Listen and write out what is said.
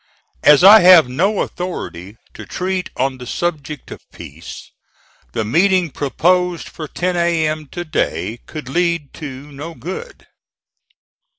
As I have no authority to treat on the subject of peace, the meeting proposed for ten A.M. to day could lead to no good.